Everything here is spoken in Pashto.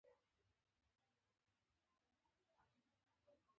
د لویو مرستو بهیر پاکستان ته ورمات شي.